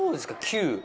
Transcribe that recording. ９。